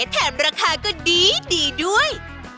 แถมราคาก็ดีด้วย